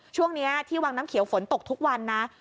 ช่วงนี้ที่วังน้ำเขียวฝนตกทุกวันนะ